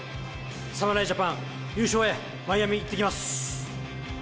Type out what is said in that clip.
侍ジャパン優勝へ、マイアミに行ってきます。